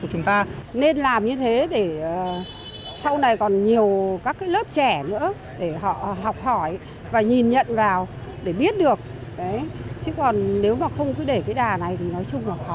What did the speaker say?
chứ còn nếu mà không cứ để cái đà này thì nói chung là khó lắm